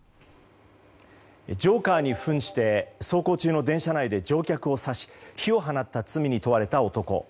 ジョーカーに扮して走行中の電車内で乗客を刺し火を放った罪に問われた男。